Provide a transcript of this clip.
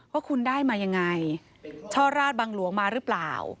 ว่าคุณได้มายังไงช่อราชบังหลวงมาหรือเปล่า